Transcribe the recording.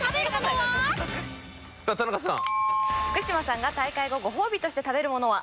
福島さんが大会後ご褒美として食べるものは？